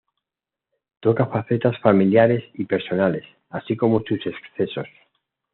Toca facetas familiares y personales, así como sus excesos.